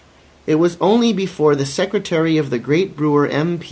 It was only before the Secretary of the great brewer M.